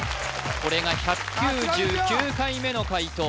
これが１９９回目の解答